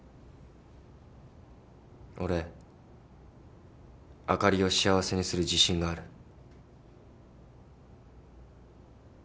俺あかりを幸せにする自信がある。